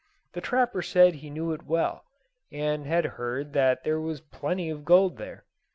The trapper said he knew it well, and had heard that there was plenty of gold there.